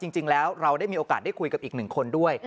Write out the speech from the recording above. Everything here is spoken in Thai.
จริงแล้วเราได้มีโอกาสได้คุยกับอีกหนึ่งคนด้วย